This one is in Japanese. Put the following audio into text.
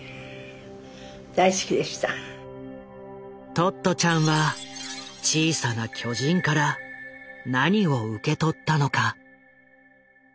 トットちゃんは「小さな巨人」から何を受け取ったのか。